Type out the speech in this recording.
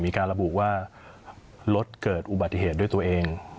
มีการระบุว่ารถเกิดอุบัติเหตุด้วยตัวเอง